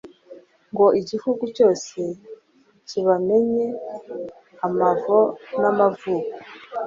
ngo igihugu cyose kibamenye amavo n'amavuko.